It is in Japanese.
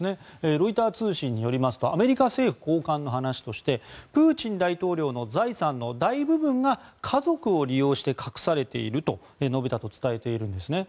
ロイター通信によりますとアメリカ政府高官の話としてプーチン大統領の財産の大部分が家族を利用して隠されていると述べたと伝えているんです。